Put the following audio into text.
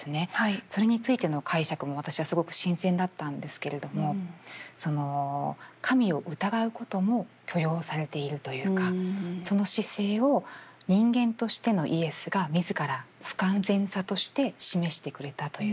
それについての解釈も私はすごく新鮮だったんですけれどもその神を疑うことも許容されているというかその姿勢を人間としてのイエスが自ら不完全さとして示してくれたというか。